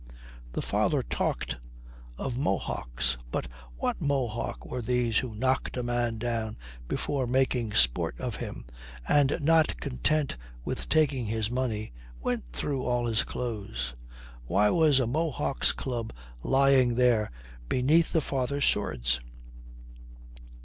The father talked of Mohocks; but what Mohocks were these who knocked a man down before making sport of him and, not content with taking his money, went through all his clothes? Why was a Mohock's club lying there beneath the father's swords?